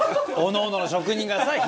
おのおのの職人がさ